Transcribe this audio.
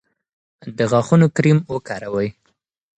د غاښونو کریم وکاروئ.